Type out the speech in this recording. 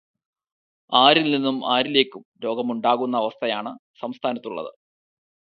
ആരില് നിന്നും ആരിലേക്കും രോഗം ഉണ്ടാകുന്ന അവസ്ഥയാണ് സംസ്ഥാനത്തുള്ളത്.